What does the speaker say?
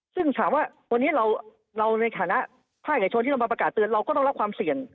ซึ่งถามว่าวันนี้เราในฐานะภาคเอกชนที่เรามาประกาศเตือนเราก็ต้องรับความเสี่ยง